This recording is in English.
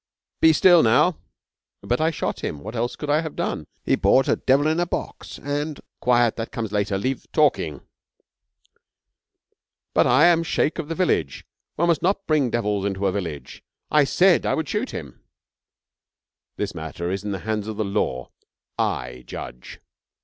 Be still now.' 'But I shot him. What else could I have done? He bought a devil in a box, and ' 'Quiet! That comes later. Leave talking.' 'But I am sheik of the village. One must not bring devils into a village. I said I would shoot him.' 'This matter is in the hands of the law. I judge.'